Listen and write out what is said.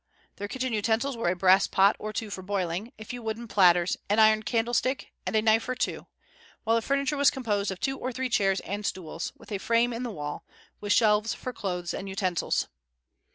Their kitchen utensils were a brass pot or two for boiling, a few wooden platters, an iron candlestick, and a knife or two; while the furniture was composed of two or three chairs and stools, with a frame in the wall, with shelves, for clothes and utensils.